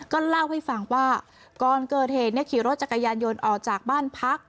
ก็เล่าให้ฟังว่าก่อนเกิดเหตุขี่รถจักรยานยนต์ออกจากบ้านพัก